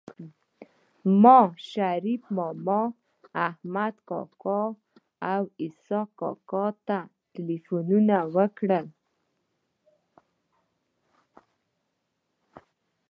ما شريف ماما احمد کاکا او اسحق کاکا ته ټيليفونونه وکړل